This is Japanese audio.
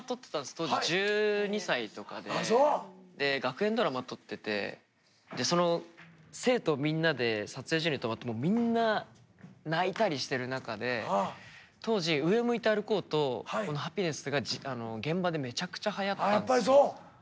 当時１２歳とかで学園ドラマ撮っててその生徒みんなで撮影所に泊まってみんな泣いたりしてる中で当時「上を向いて歩こう」と「ハピネス」が現場でめちゃくちゃはやったんです。